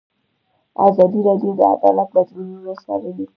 ازادي راډیو د عدالت بدلونونه څارلي.